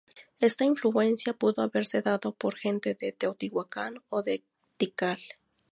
Esta influencia pudo haberse dado por gente de Teotihuacan o de Tikal.